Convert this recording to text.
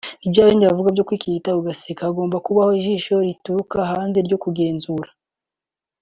Ni bya bindi bavuga byo kwikirigita ugaseka; hagomba kubaho ijisho rituruka hanze ryo kugenzura